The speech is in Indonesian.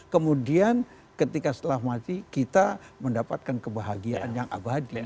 kemudian ketika setelah mati kita mendapatkan kebahagiaan yang abadi